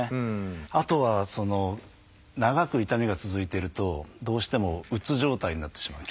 あとは長く痛みが続いてるとどうしてもうつ状態になってしまう。